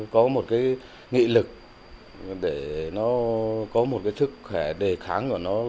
có một cái nghị lực để nó có một cái sức khỏe đề kháng của nó